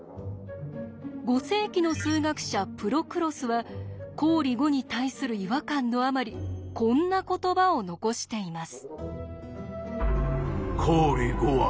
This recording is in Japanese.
５世紀の数学者プロクロスは公理５に対する違和感のあまりこんな言葉を残しています。